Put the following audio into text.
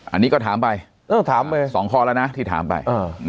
อันนี้ก็ถามไปถามไปสองข้อแล้วนะที่ถามไป